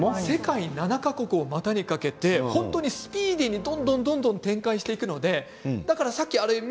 世界７か国を股にかけてスピーディーに展開していくのであれ